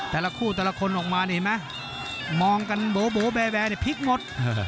แต่ละคู่แต่ละคนออกมามองกันโบวแบพีคหมด